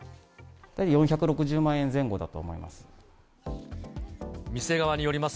４６０万円前後だと思います。